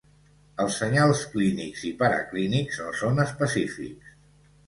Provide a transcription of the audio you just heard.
Els senyals clínics i para-clínics no són específics.